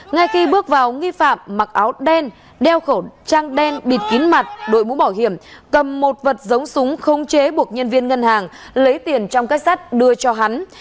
ngay khi bước vào nghi phạm mặc áo đen đeo khẩu trang đen bịt kín mặt đội mũ bảo hiểm cầm một vật giống súng không chế buộc nhân viên ngân hàng lấy tiền trong kết sắt đưa cho hắn